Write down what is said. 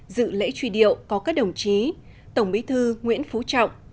dự lễ truy điệu có các đồng chí tổng bí thư nguyễn phú trọng